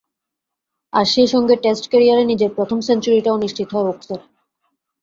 আর সে সঙ্গে টেস্ট ক্যারিয়ারে নিজের প্রথম সেঞ্চুরিটাও নিশ্চিত হয় ওকসের।